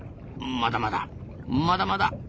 まだまだまだまだ。